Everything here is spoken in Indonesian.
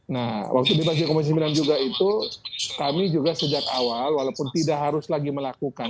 nah waktu dibagi komisi sembilan juga itu kami juga sejak awal walaupun tidak harus lagi melakukan